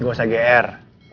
gak usah gr